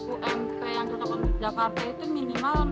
ump yang cocok untuk jakarta itu minimal empat lima ratus